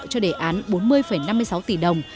cho đề án bốn mươi năm mươi sáu tỷ đồng